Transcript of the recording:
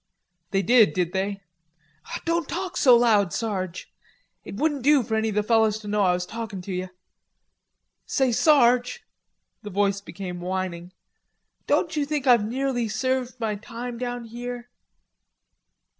"They did, did they?" "Don't talk so loud, Sarge. It wouldn't do for any of the fellers to know I was talkin' to yer. Say, Sarge..." the voice became whining, "don't you think I've nearly served my time down here?"